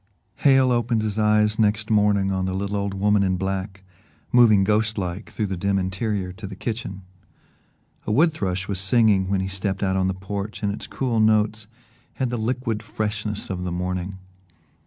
X Hale opened his eyes next morning on the little old woman in black, moving ghost like through the dim interior to the kitchen. A wood thrush was singing when he stepped out on the porch and its cool notes had the liquid freshness of the morning.